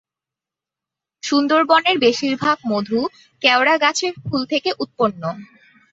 সুন্দরবনের বেশিরভাগ মধু কেওড়া গাছের ফুল থেকে উৎপন্ন।